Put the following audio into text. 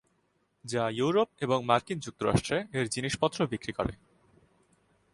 যা ইউরোপ এবং মার্কিন যুক্তরাষ্ট্রে এর জিনিসপত্র বিক্রি করে।